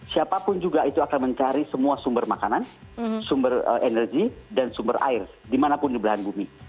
siapapun juga itu akan mencari semua sumber makanan sumber energi dan sumber air dimanapun di belahan bumi